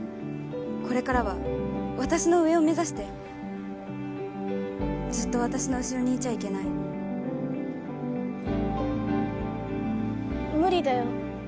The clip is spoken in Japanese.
これからは私の上を目指してずっと私の後ろにいちゃいけない無理だよ